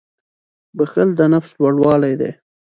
• بښل د نفس لوړوالی دی.